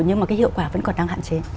nhưng mà cái hiệu quả vẫn còn đang hạn chế